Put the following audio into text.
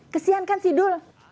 kesian kan si dul